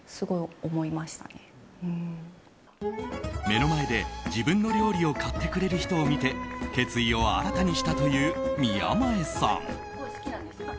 目の前で自分の料理を買ってくれる人を見て決意を新たにしたという宮前さん。